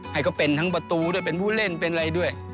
ให้เขาเป็นทั้งประตูเป็นผู้เล่นอะไรด้วย